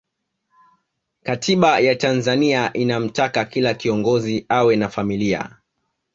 katiba ya tanzania inamtaka kila kiongozi awe na familia